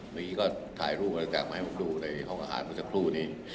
เมื่อกี้ก็ถ่ายรูปอะไรต่างมาให้ผมดูในห้องอาหารเมื่อสักครู่นี้